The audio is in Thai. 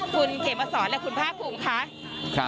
คุณเกมสรและคุณพาภูมิค่ะ